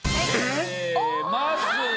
まずは。